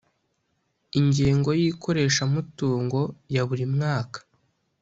Ingengo Y ikoreshamutungo ya buri mwaka